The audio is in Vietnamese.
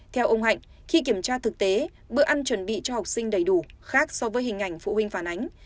theo ông hạnh khi kiểm tra thực tế bữa ăn chuẩn bị cho học sinh đầy đủ khác so với hình ảnh phụ huynh phản ánh